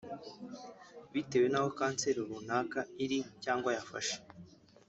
bitewe n’aho kanseri runaka iri cyangwa yafashe